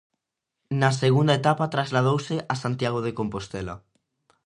Na segunda etapa trasladouse a Santiago de Compostela.